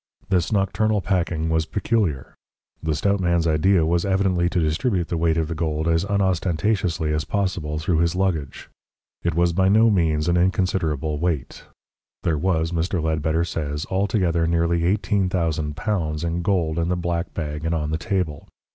This nocturnal packing was peculiar. The stout man's idea was evidently to distribute the weight of the gold as unostentatiously as possible through his luggage. It was by no means an inconsiderable weight. There was, Mr. Ledbetter says, altogether nearly L18,000 in gold in the black bag and on the table.